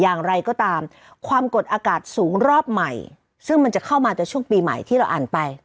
อย่างไรก็ตามความกดอากาศสูงรอบใหม่ซึ่งมันจะเข้ามาแต่ช่วงปีใหม่ที่เราอ่านไป